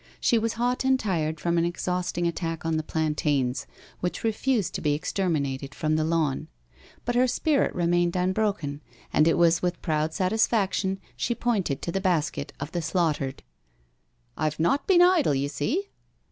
She was hot and tired from an exhausting attack on the plantains which refused to be exterminated from the lawn. But her spirit remained unbroken, and it was with proud satisfaction she pointed to the basket of the slaughtered: •• IVe not been idle, you see."